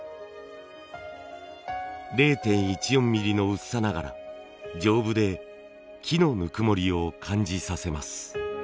０．１４ミリの薄さながら丈夫で木のぬくもりを感じさせます。